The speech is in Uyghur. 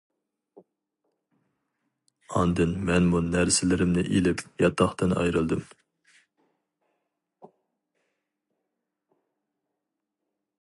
ئاندىن مەنمۇ نەرسىلىرىمنى ئېلىپ ياتاقتىن ئايرىلدىم.